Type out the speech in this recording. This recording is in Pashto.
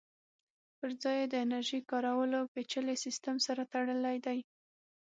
پرځای یې د انرژۍ کارولو پېچلي سیسټم سره تړلی دی